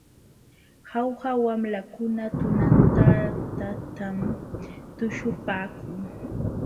Jauja wamlakuna tunantadatam tuśhupaakun.